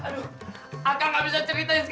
aduh aku gak bisa ceritain sekarang